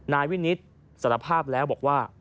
นายวินิตสารภาพแล้วบอกว่า